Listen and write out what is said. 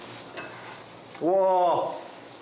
うわ！